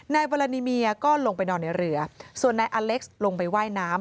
วาลานิเมียก็ลงไปนอนในเรือส่วนนายอเล็กซ์ลงไปว่ายน้ำ